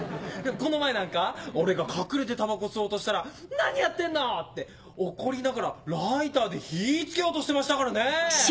この前なんか俺が隠れてタバコ吸おうとしたら「何やってんの！」って怒りながらライターで火つけようとしてましたからね。